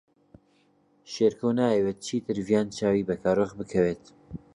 شێرکۆ نایەوێت چیتر ڤیان چاوی بە کارۆخ بکەوێت.